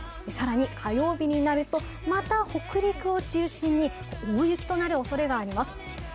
更に火曜日になるとまた北陸を中心に大雪となるおそれがあります。